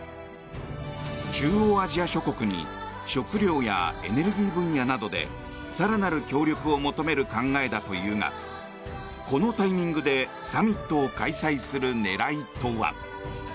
中央アジア諸国に食糧やエネルギー分野などで更なる協力を求める考えだというがこのタイミングでサミットを開催する狙いとは。